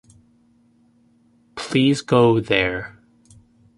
Please go there.